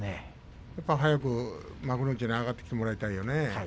早く幕内に上がってきてもらいたいよね。